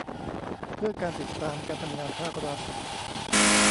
เพื่อการติดตามการทำงานภาครัฐ